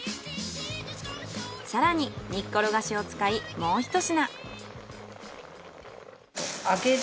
さらに煮っころがしを使いもうひと品。